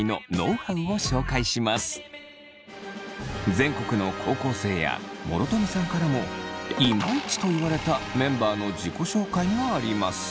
全国の高校生や諸富さんからもイマイチと言われたメンバーの自己紹介があります。